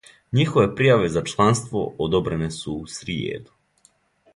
Њихове пријаве за чланство одобрене су у сриједу.